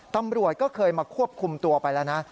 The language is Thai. ตำรวจก็เคยมาควบคุมตัวไปแล้วนะ